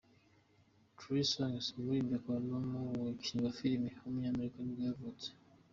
Trey Songz, umuririmbyi akaba n’umukinnyi wa filime w’umunyamerika nibwo yavutse.